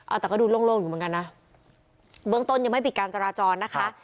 เอาแต่ก็ดูโล่งอยู่เหมือนกันนะเบื้องต้นยังไม่ปิดการจราจรนะคะ